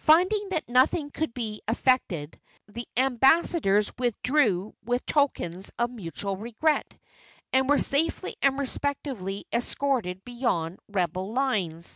Finding that nothing could be effected, the ambassadors withdrew with tokens of mutual regret, and were safely and respectfully escorted beyond the rebel lines.